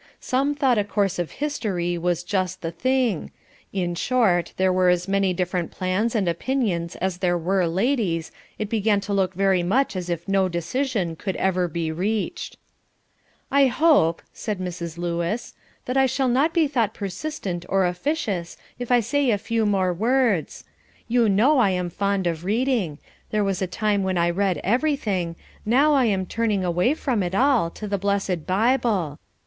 Some thought a course of history was "just the thing," in short, there were as many different plans and opinions as there were ladies, it began to look very much as if no decision could ever be reached. "I hope," said Mrs. Lewis, "that I shall not be thought persistent or officious if I say a few more words. You know I am fond of reading, there was a time when I read everything, now I am turning away from it all, to the blessed Bible.